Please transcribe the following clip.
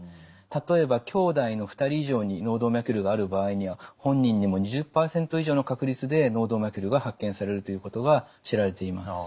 例えばきょうだいの２人以上に脳動脈瘤がある場合には本人にも２０％以上の確率で脳動脈瘤が発見されるということが知られています。